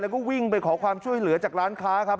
แล้วก็วิ่งไปขอความช่วยเหลือจากร้านค้าครับ